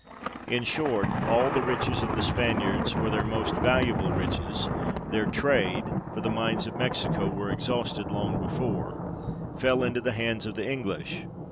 In short, all the riches of the Spaniards, or their most valuable riches, their trade, (for the mines of Mexico were exhausted long before) 1 fell into the hands of the English.